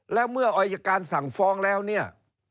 แล้วเมื่ออายการสั่งฟ้องแล้วเนี่ย